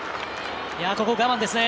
ここ、我慢ですね。